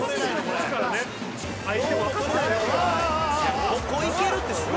「ここいけるってすごい！」